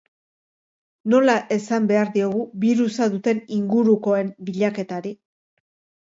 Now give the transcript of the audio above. Nola esan behar diogu birusa duten ingurukoen bilaketari?